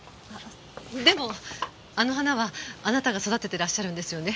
でもあの花はあなたが育ててらっしゃるんですよね？